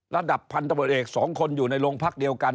ระดับพันธบทเอก๒คนอยู่ในโรงพักเดียวกัน